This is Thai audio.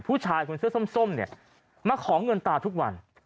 ผู้ชายคนเสื้อส้มเนี่ยมาขอเงินตาทุกวัน